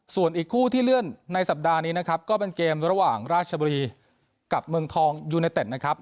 ส่วนอีกคู่ที่เลื่อนในสัปดาห์นี้นะครับก็เป็นเกมระหว่างราชบุรีกับเมืองทองยูเนเต็ดนะครับ